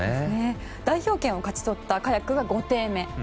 代表権を勝ち取ったカヤックが５艇目。